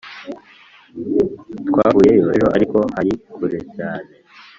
Twavuyeyo ejo ariko hari kure cyane